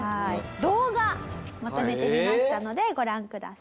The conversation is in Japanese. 動画まとめてみましたのでご覧ください。